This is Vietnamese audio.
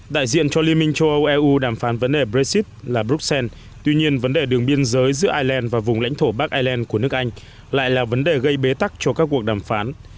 đại diện cho liên minh châu âu eu đàm phán vấn đề brexit là bruxelles tuy nhiên vấn đề đường biên giới giữa ireland và vùng lãnh thổ bắc ireland của nước anh lại là vấn đề gây bế tắc cho các cuộc đàm phán